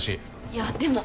いやでも。